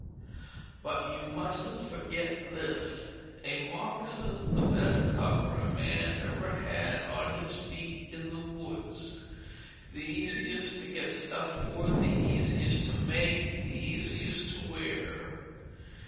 But you mustn't forgit this; a moccasin's the best cover a man ever had on his feet in the woods; the easiest to get stuff for, the easiest to make, the easiest to wear.